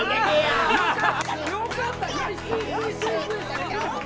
あよかった！